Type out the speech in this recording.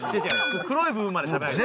黒い部分まで食べないと。